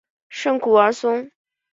圣古尔松。